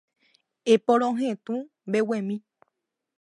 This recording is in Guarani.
Eporohetũ mbeguemi